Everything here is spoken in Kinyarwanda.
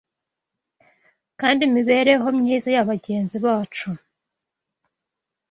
kandi imibereho myiza ya bagenzi bacu